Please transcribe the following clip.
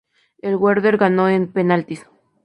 El Werder ganó en penaltis.